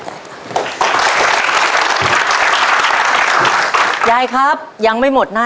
ชุดที่๔ข้าวเหนียว๒ห้อชุดที่๔